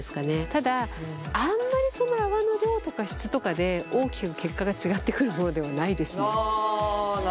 ただあんまりその泡の量とか質とかで大きく結果が違ってくるものではないですね。